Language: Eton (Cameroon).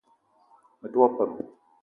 Me te wo peum.